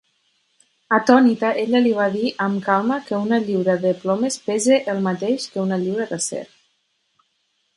Atònita, ella li va dir amb calma que una lliura de plomes pesa el mateix que una lliura d'acer.